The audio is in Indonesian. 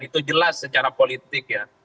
itu jelas secara politik ya